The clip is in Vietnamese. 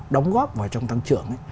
đóng góp vào trong tăng trưởng